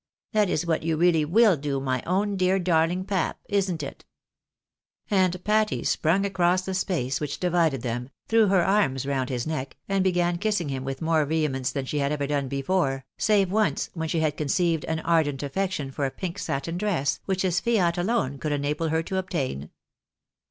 That is what you really will do, my own dear darling pap, isn't it ?" And Patty sprung across the space which divided them, threw her arms round his neck, and began kissing him with more vehe mence than she had ever done before, save once when she had conceived an ardent affection for a pink satin dress, which his fiat alone could enable her to obtain.